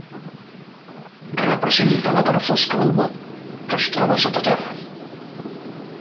Representa la part fosca del món, que es troba sota terra.